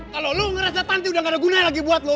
kalau lo ngerasa panti udah gak ada guna lagi buat lo